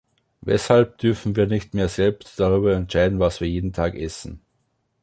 Weshalb dürfen wir nicht mehr selbst darüber entscheiden, was wir jeden Tag essen?